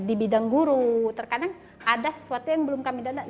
pendidikan dalam khususnya di bidang guru terkadang ada sesuatu yang belum kami dapatkan